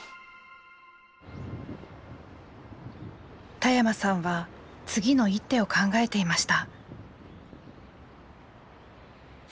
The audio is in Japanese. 田山さんは次の一手を考えていました。